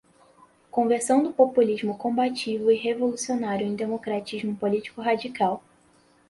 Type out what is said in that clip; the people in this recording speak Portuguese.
conversão do populismo combativo e revolucionário em democratismo político-radical